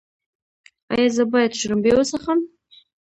ایا زه باید شړومبې وڅښم؟